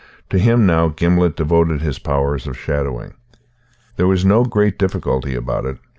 To him, now, Gimblet devoted his powers of shadowing. There was no great difficulty about it.